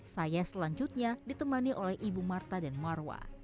saya selanjutnya ditemani oleh ibu marta dan marwa